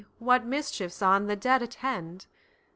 what mischiefs on the dead attend!